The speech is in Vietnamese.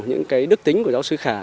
những cái đức tính của giáo sư khả